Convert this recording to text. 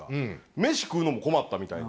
メシ食うのも困ったみたいな。